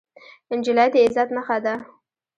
نجلۍ د عزت نښه ده.